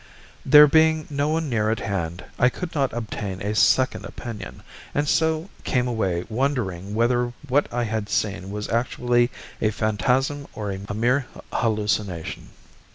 There being no one near at hand, I could not obtain a second opinion, and so came away wondering whether what I had seen was actually a phantasm or a mere hallucination.